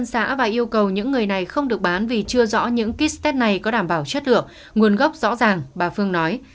câu cầu những người này không được bán vì chưa rõ những ký test này có đảm bảo chất lượng nguồn gốc rõ ràng bà phương nói